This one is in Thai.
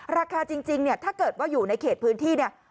ราคาจริงเนี่ยถ้าเกิดว่าอยู่ในเขตพื้นที่เนี่ย